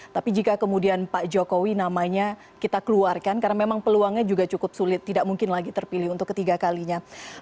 tapi jika kemudian pak jokowi namanya kita keluarkan karena memang peluangnya juga cukup sulit tidak mungkin lagi terpilih untuk ketiga kalinya